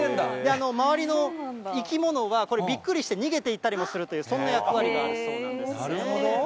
周りの生き物はびっくりして逃げていったりもするという、そんな役割があるそうなんですね。